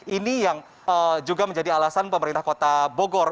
ini yang juga menjadi alasan pemerintah kota bogor